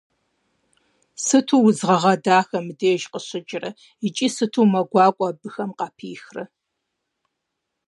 Сыту удз гъэгъа дахэхэр мыбдеж къыщыкӀрэ икӀи сыту мэ гуакӀуэ абыхэм къапихрэ!